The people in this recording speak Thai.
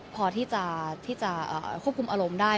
พอที่จะควบคุมอารมณ์ได้